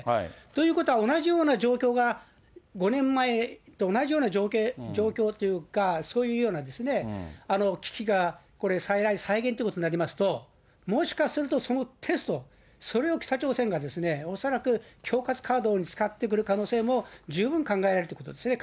ということは、同じような状況が、５年前と同じような状況というか、そういうような危機がこれ、再来、再現ってことになりますと、もしかするとそのテスト、それを北朝鮮が、恐らく恐喝カードに使ってくる可能性も十分考えられるということですね。